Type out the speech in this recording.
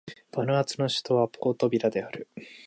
バヌアツの首都はポートビラである